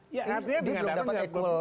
dia belum dapat ekuel